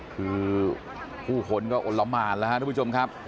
คือผู้คนก็โอลมมานนะครับทุกผู้ชมครับ